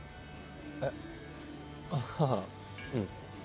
えあぁうん。